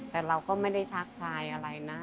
แต่เราก็ไม่ได้ทักทายอะไรนะ